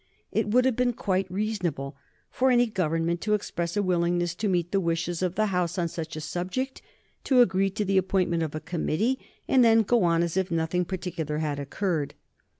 It would have been quite reasonable for any Government to express a willingness to meet the wishes of the House on such a subject, to agree to the appointment of a committee, and then go on as if nothing particular had occurred.